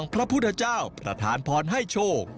พระพุทธเจ้าประธานพรให้โชค